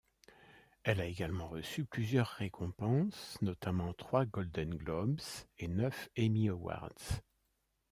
Elle a également reçu plusieurs récompenses, notamment trois Golden Globes et neuf Emmy Awards.